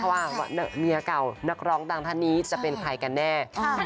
ว่าเมียเก่านักร้องดังท่านนี้จะเป็นใครกันแน่